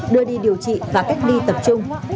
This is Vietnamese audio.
đưa đi điều trị và cách đi tập trung